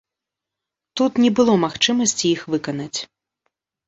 Тут не было магчымасці іх выканаць.